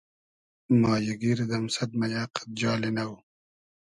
مایی گیر دئمسئد مئیۂ قئد جالی نۆ